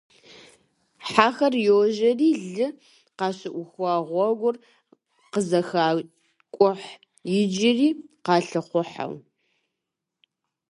Хьэхэр йожьэри лы къащыӀухуа гъуэгур къызэхакӀухь, иджыри къалъыхъуэу.